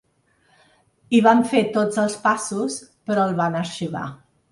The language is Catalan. I vam fer tots els passos, però el van arxivar.